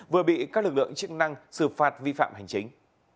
vừa bị các lực lượng chức năng xử phạt vi phạm hành chính